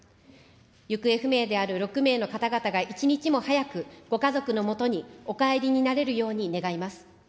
行方不明である６名の方々が一日も早くご家族のもとにお帰りになれるように願います。